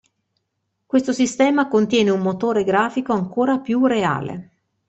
Questo sistema contiene un motore grafico ancora più reale.